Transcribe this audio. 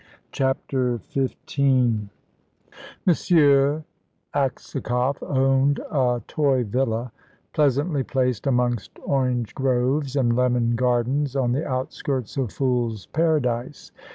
CHAPTER XV Monsieur Aksakoff owned a toy villa, pleasantly placed amongst orange groves and lemon gardens, on the outskirts of Fools' Paradise.